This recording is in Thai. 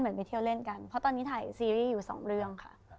ไปเที่ยวเล่นกันเพราะตอนนี้ถ่ายซีรีส์อยู่สองเรื่องค่ะ